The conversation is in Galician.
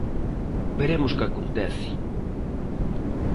Veremos que acontece.